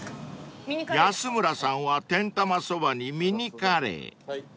［安村さんは天玉そばにミニカレー］